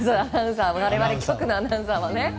我々局のアナウンサーはね。